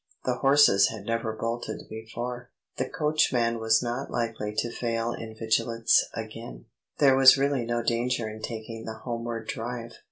The horses had never bolted before; the coachman was not likely to fail in vigilance again; there was really no danger in taking the homeward drive.